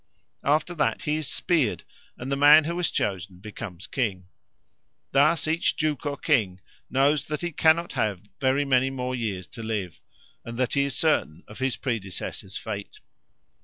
After that he is speared, and the man who was chosen becomes king. Thus each Juko king knows that he cannot have very many more years to live, and that he is certain of his predecessor's fate.